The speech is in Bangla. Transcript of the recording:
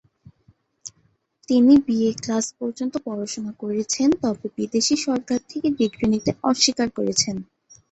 তিনি বিএ ক্লাস পর্যন্ত পড়াশোনা করেছেন তবে বিদেশী সরকার থেকে ডিগ্রি নিতে অস্বীকার করেছেন।